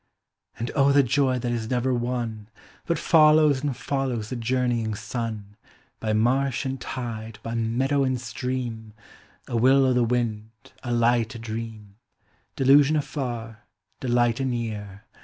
And oh the joy that is never won, Uut follows and follows the journeying sun, By marsh and tide, by meadow and stream, A will o' the wind, a light o' dream, Delusion afar, delight anear.